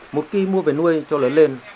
một cây mua về nuôi cho lớn lên